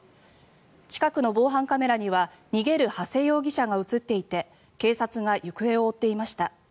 近くの防犯カメラには逃げる長谷容疑者が映っていて警察が行方を追っていました。